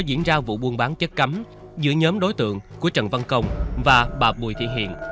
diễn ra vụ buôn bán chất cấm giữa nhóm đối tượng của trần văn công và bà bùi thị hiền